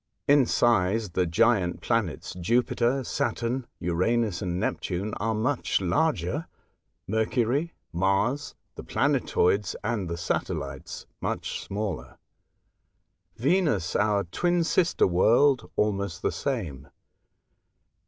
In size, the giant planets Jupiter, Saturn, Uranus, and vi A Voyage to Other Worlds. Neptune are mucli larger ; Mercury, Mars, the planetoids, and the satellites much smaller; Venus, our twin sister world, almost the same.